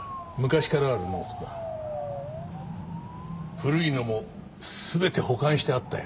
古いのも全て保管してあったよ。